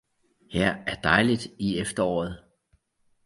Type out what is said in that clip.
Her er dejligt i efteråret!